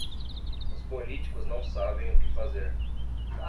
Os politícos não sabem o que fazer.